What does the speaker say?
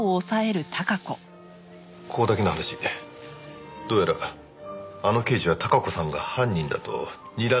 ここだけの話どうやらあの刑事は貴子さんが犯人だとにらんでるようでして。